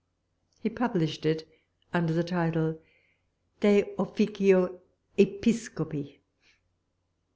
He published it, under the title De Officio Episcopi.